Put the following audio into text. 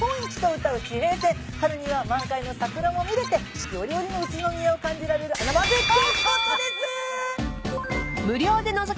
春には満開の桜も見れて四季折々の宇都宮を感じられる穴場絶景スポットです。